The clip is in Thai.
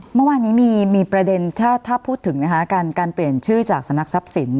เมื่อวานนี้มีประเด็นถ้าพูดถึงนะคะการเปลี่ยนชื่อจากสำนักทรัพย์สิน